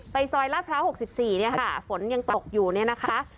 ไปซอยลาดพร้าวหกสิบสี่เนี่ยค่ะฝนยังตกอยู่เนี่ยนะคะ